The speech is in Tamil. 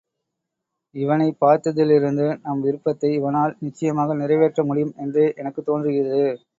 இவனைப் பார்த்ததிலிருந்து நம் விருப்பத்தை இவனால் நிச்சயமாக நிறைவேற்ற முடியும் என்றே எனக்குத் தோன்றுகிறது.